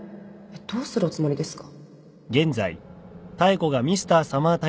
どうするおつもりですか？